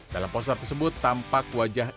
dalam poster tersebut tampak wajah